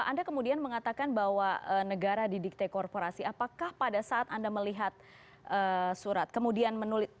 anda kemudian mengatakan bahwa negara didikte korporasi apakah pada saat anda melihat surat kemudian menulis